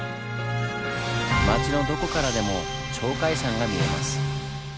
町のどこからでも鳥海山が見えます。